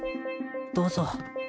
どうぞ。